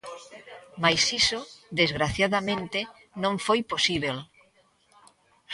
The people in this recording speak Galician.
Mais iso, desgraciadamente, non foi posíbel.